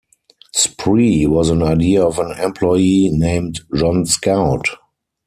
Spree was an idea of an employee named John Scout.